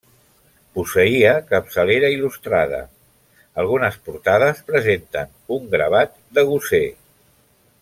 Posseïa capçalera il·lustrada, algunes portades presenten un gravat de Gosé.